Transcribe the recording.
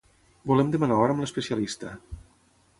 Volem demanar hora amb l'especialista.